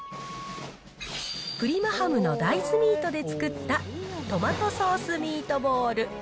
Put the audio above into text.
プリマハムの大豆ミートで作ったトマトソースミートボール。